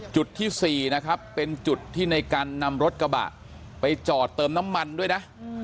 จุดที่๔นะครับเป็นจุดที่ในกันนำรถกระบะไปจอดเติมน้ำมันด้วยนะ